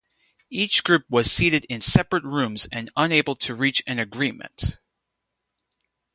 Each group was seated in separate rooms and unable to reach an agreement.